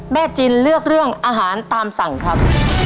จินเลือกเรื่องอาหารตามสั่งครับ